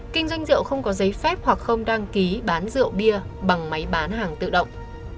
một mươi một kinh doanh rượu không có giấy phép hoặc không đăng ký bán rượu bia bằng máy bán hàng tự động